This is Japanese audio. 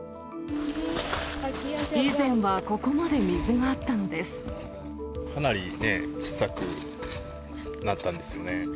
以前はここまで水があったのかなり小さくなったんですね。